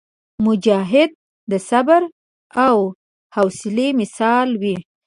مجاهد د صبر او حوصلي مثال وي.